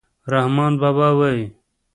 رحمان بابا وايي.